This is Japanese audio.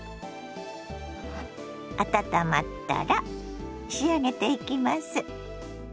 温まったら仕上げていきます。